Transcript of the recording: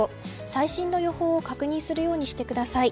最新の予報を確認するようにしてください。